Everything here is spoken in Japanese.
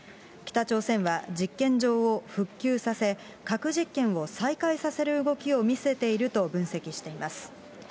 北朝鮮は実験場を復旧させ、核実験を再開させる動きを見せていると分析しています。